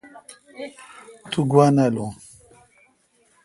تو گوا نالون۔